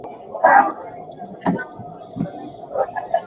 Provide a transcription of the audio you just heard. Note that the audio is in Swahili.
Rwanda yajibu jamuhuri ya kidemokrasia ya Kongo